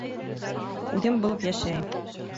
Үҙем булып йәшәйем